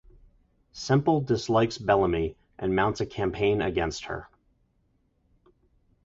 Semple dislikes Bellamy and mounts a campaign against her.